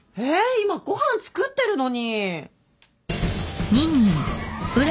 今ご飯作ってるのに。